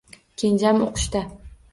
Kenjam o`qishda